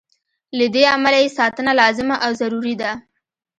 له دې امله یې ساتنه لازمه او ضروري ده.